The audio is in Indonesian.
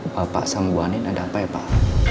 bapak sama bu anin ada apa ya pak